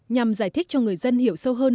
nhằm giải thích cho người dân hiểu sâu hơn